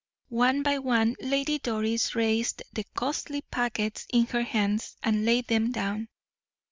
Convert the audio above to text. One by one Lady Doris raised the costly packets in her hands and laid them down.